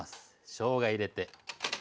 しょうが入れて。